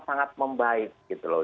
sangat membaik gitu loh